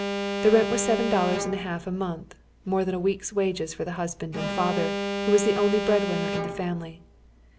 The rent was seven dol lars and a, half a month, more than a week's wages for the husband and father, wlio was the only bread winner in the family.